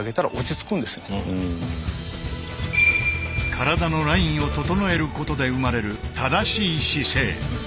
体のラインを整えることで生まれる正しい姿勢。